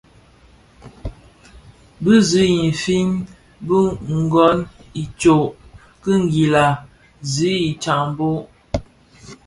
Dhi zi I nfin bi gōn itsok ki nguila zi I tsaboň.